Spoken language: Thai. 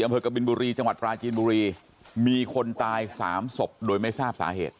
อำเภอกบินบุรีจังหวัดปราจีนบุรีมีคนตายสามศพโดยไม่ทราบสาเหตุ